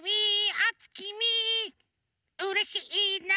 おつきみうれしいなっと。